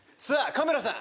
カメラさん